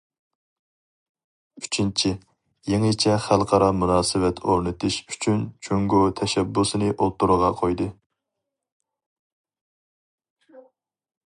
ئۈچىنچى، يېڭىچە خەلقئارا مۇناسىۋەت ئورنىتىش ئۈچۈن جۇڭگو تەشەببۇسىنى ئوتتۇرىغا قويدى.